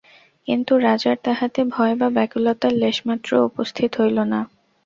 কিন্তু রাজার তাহাতে ভয় বা ব্যাকুলতার লেশমাত্রও উপস্থিত হইল না।